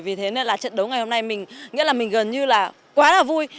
vì thế nên là trận đấu ngày hôm nay mình nhất là mình gần như là quá là vui